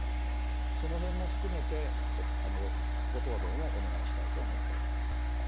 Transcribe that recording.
そのへんも含めて、ご答弁をお願いしたいと思っております。